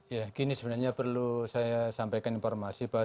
ya gini sebenarnya perlu saya sampaikan informasi bahwa